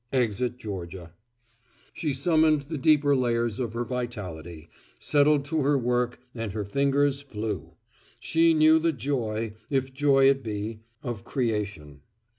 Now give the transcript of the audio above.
Exit Georgia. She summoned the deeper layers of her vitality, settled to her work and her fingers flew. She knew the joy if joy it be of creation.